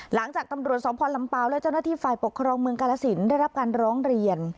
หลังจากตำรวจสพลำเปล่าและเจ้าหน้าที่ฝ่ายปกครองเมืองกาลสินได้รับการร้องเรียน